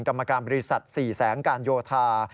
กรรมการบริษัท๔แสงการโยธา